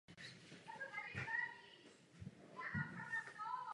Je to významný krok ke stabilizaci té situace.